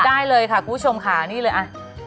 ได้เลยค่ะคุณผู้ชมค่ะนี่เลยอ่ะ